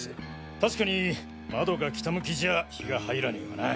たしかに窓が北向きじゃ陽が入らねえわな。